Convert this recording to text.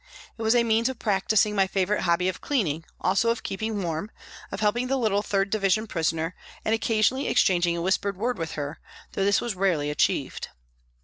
It was a means of prac tising my favourite hobby of cleaning, also of keeping warm, of helping the little 3rd Division prisoner, and occasionally exchanging a whispered word with her, H 2 100 PRISONS AND PRISONERS though this was rarely achieved.